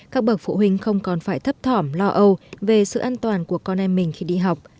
các bậc phụ huynh không còn phải thấp thỏm lo âu về sự an toàn của con em mình khi đi học